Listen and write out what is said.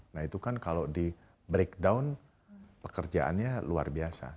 nah itu kan kalau di breakdown pekerjaannya luar biasa